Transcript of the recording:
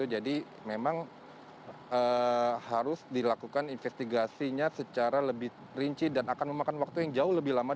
jadi memang harus dilakukan investigasinya secara lebih rinci dan akan memakan waktu yang jauh lebih lama